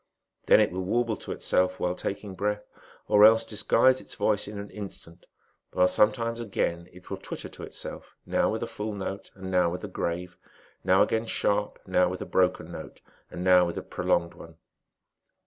Then it will warble to itself, while taking breath, or else dis guise its voice in an instant ; while sometimes, again, it will twitter to itself, now with a full note, now with a grave, now again sharp, now with a broken note, and now with a prolonged one.